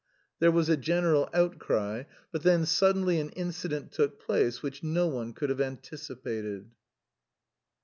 There was a general outcry; but then suddenly an incident took place which no one could have anticipated.